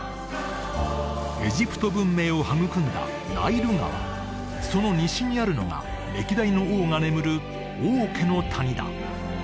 エジプト文明を育んだナイル川その西にあるのが歴代の王が眠る王家の谷だ